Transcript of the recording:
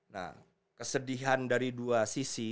nah kesedihan dari dua sisi